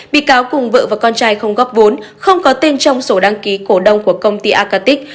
bị cáo cùng vợ và con trai không góp vốn không có tên trong sổ đăng ký cổ đông của công ty acatic